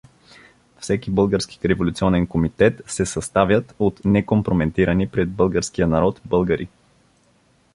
Всеки Български революционен комитет се съставят от некомпрометирани пред Българският народ Българи.